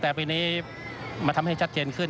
แต่ปีนี้มันทำให้ชัดเจนขึ้น